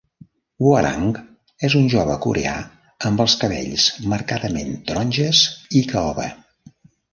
Hwoarang és un jove coreà amb els cabells marcadament taronges i caoba.